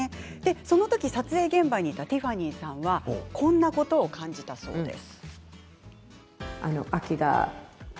その時撮影現場にいたティファニーさんはこんなことを感じたそうです。